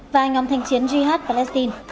và nhóm thành chiến jihad palestine